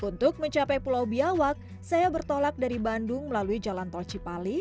untuk mencapai pulau biawak saya bertolak dari bandung melalui jalan tol cipali